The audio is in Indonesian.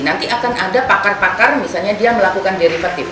nanti akan ada pakar pakar misalnya dia melakukan derivertif